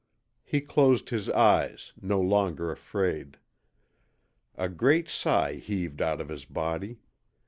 He closed his eyes no longer afraid. A great sigh heaved out of his body.